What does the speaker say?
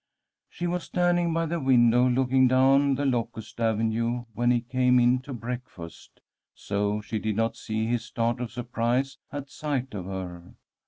She was standing by the window looking down the locust avenue when he came in to breakfast, so she did not see his start of surprise at sight of her.